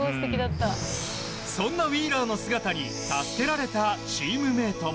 そんなウィーラーの姿に助けられたチームメートも。